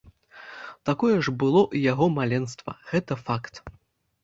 Такое ж было і яго маленства, гэта факт.